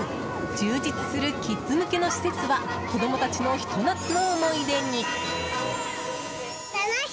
充実するキッズ向けの施設は子供たちのひと夏の思い出に。